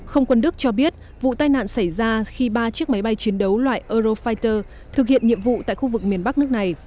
không quân đức cho biết vụ tai nạn xảy ra khi ba chiếc máy bay chiến đấu loại eurofiter thực hiện nhiệm vụ tại khu vực miền bắc nước này